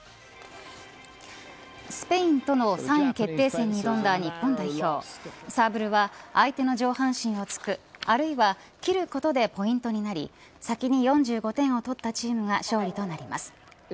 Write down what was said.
スペインの３位決定戦に挑んだ日本代表サーブルは相手の上半身を突く、あるいは斬ることでポイントになり先に４５点を取ったチームが勝利となります。